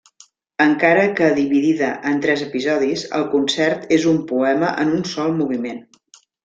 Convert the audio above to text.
Encara que dividida en tres episodis, el concert és un poema en un sol moviment.